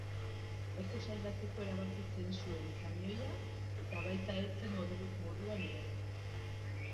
Lekuz aldatzeko erabiltzen zuen kamioia, eta baita etxe moduan ere.